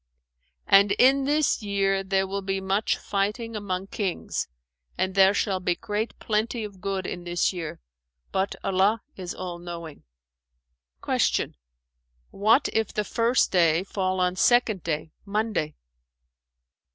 [FN#423] And, in this year there will be much fighting among kings, and there shall be great plenty of good in this year, but Allah is All knowing!" Q "What if the first day fall on Second Day (Monday)?"